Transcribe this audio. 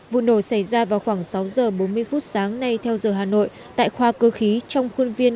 vụ nổ xảy ra vào khoảng sáu giờ bốn mươi phút sáng nay theo giờ hà nội tại khoa cơ khí trong khuôn viên